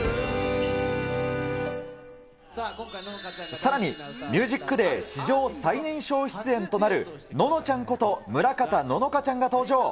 さらに、ＴＨＥＭＵＳＩＣＤＡＹ史上最年少出演となるののちゃんこと、村方乃々佳ちゃんが登場。